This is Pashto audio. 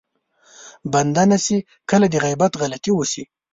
بنده نه چې کله د غيبت غلطي وشي.